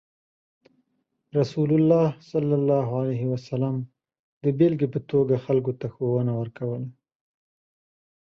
رسول الله صلى الله عليه وسلم د بیلګې په توګه خلکو ته ښوونه ورکوله.